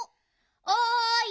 おい！